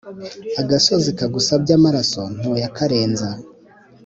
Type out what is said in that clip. Agasozi kagusabye amaraso ntuyakarenza.